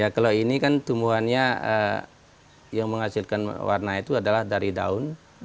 kalau ini kan tumbuhannya yang menghasilkan warna itu adalah dari daun